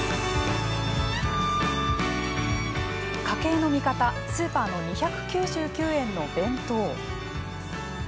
家計の味方スーパーの２９９円の弁当。